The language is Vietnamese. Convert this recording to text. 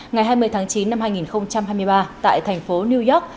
ngày hai mươi tháng chín năm hai nghìn hai mươi ba tại thành phố new york